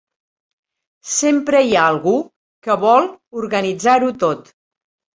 Sempre hi ha algú que vol organitzar-ho tot.